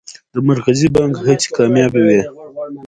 د مرکزي بانک هڅې کامیابه وې؟